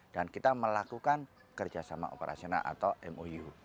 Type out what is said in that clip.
dan kita melakukan kerjasama operasional atau mou